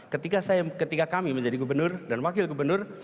ketika kami menjadi gubernur dan wakil gubernur